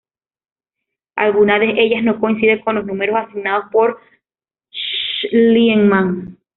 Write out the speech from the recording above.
Algunas de ellas no coinciden con los números asignados por Schliemann.